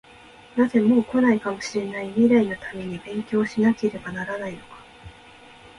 なぜ、もう来ないかもしれない未来のために勉強しなければならないのか？